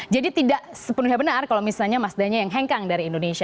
jadi tidak sepenuhnya benar kalau misalnya mazda nya yang hengkang dari indonesia